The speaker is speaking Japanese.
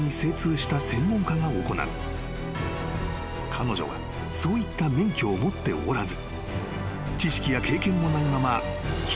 ［彼女はそういった免許を持っておらず］